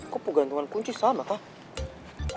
kok pegantungan kunci sama kak